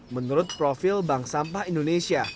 menurut profil bank sampah indonesia